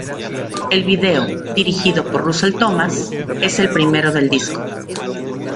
El vídeo, dirigido por Russel Thomas, es el primero del disco.